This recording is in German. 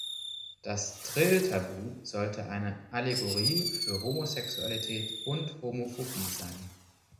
Das Trill-Tabu sollte eine Allegorie für Homosexualität und Homophobie sein.